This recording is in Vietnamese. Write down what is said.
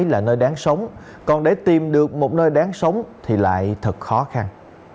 là nơi đáng sống còn để tìm được một nơi đáng sống thì lại thật khó khăn